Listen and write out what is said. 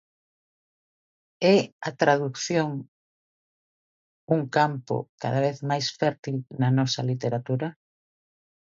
É a tradución un campo cada vez máis fértil na nosa literatura?